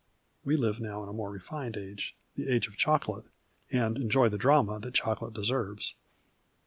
We live now in a more refined age, the age of chocolate, and enjoy the drama that chocolate deserves.